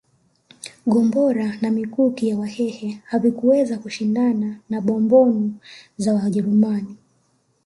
Gombora na mikuki ya Wahehe hazikuweza kushindana na bombomu za Wajerumani